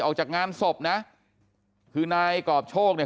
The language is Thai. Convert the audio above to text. ออกจากงานศพนะคือนายกรอบโชคเนี่ย